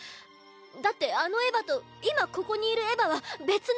だってあのエヴァと今ここにいるエヴァは別の。